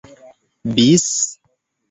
bis